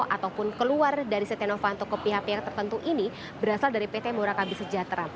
ataupun keluar dari setia novanto ke pihak pihak tertentu ini berasal dari pt murakabi sejahtera